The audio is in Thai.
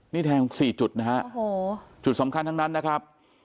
นี่แทง๔จุดนะฮะจุดสำคัญทั้งนั้นนะครับ